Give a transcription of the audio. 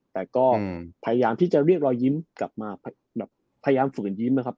แต่ก็พยายามที่จะเรียกรอยยิ้มกลับมาแบบพยายามฝืนยิ้มนะครับ